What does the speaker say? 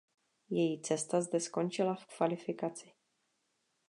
Její cesta zde skončila v kvalifikaci.